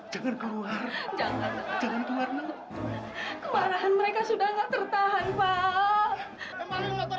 jangan keluar jangan keluar kemarahan mereka sudah nggak tertahan pak